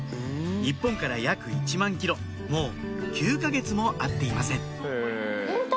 日本から約１万ｋｍもう９か月も会っていません